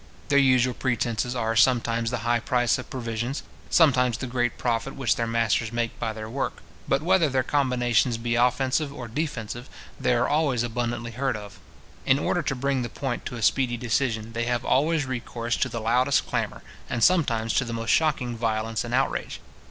Their usual pretences are, sometimes the high price of provisions, sometimes the great profit which their masters make by their work. But whether their combinations be offensive or defensive, they are always abundantly heard of. In order to bring the point to a speedy decision, they have always recourse to the loudest clamour, and sometimes to the most shocking violence and outrage.